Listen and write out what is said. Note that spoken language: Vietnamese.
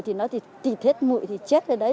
thì nó thì tịt hết mụi thì chết rồi